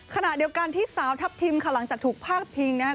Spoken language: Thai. ขณะเดียวกันที่สาวทัพทิมค่ะหลังจากถูกพาดพิงนะครับ